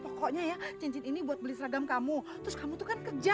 pokoknya ya cincin ini buat beli seragam kamu terus kamu tuh kan kerja